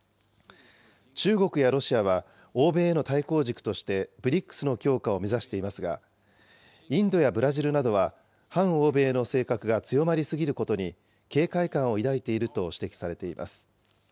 中国やロシアは、欧米への対抗軸としてＢＲＩＣＳの強化を目指していますが、インドやブラジルなどは、反欧米の性格が強まりすぎることに警戒感を抱いていると指摘されています。